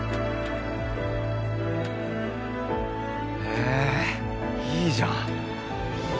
へぇいいじゃん。